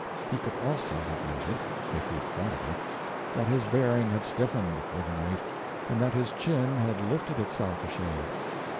He could also have noted, if he had thought of it, that his bearing had stiffened, over night, and that his chin had lifted itself a shade.